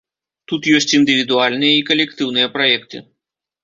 Тут ёсць індывідуальныя і калектыўныя праекты.